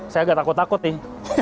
saya agak takut takut nih